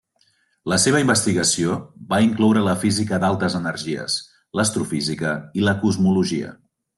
La seva investigació va incloure la física d'altes energies, l'astrofísica i la cosmologia.